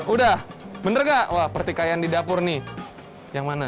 udah bener gak wah pertikaian di dapur nih yang mana